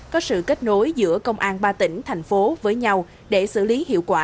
có sự kết nối giữa công an ba tỉnh thành phố với nhau để xử lý hiệu quả